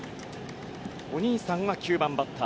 お兄さんは９番バッター